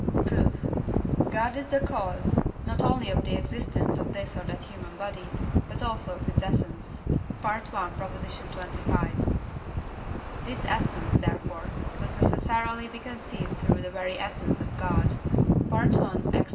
Proof. God is the cause, not only of the existence of this or that human body, but also of its essence (I. xxv.). This essence, therefore, must necessarily be conceived through the very essence of God (I. Ax.